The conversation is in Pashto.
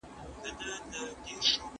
تر نکاح مخکي معيارونه ټاکل پکار دي!